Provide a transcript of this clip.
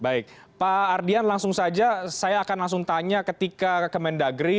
baik pak ardian langsung saja saya akan langsung tanya ketika ke kemendagri